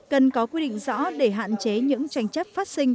cần có quy định rõ để hạn chế những tranh chấp phát sinh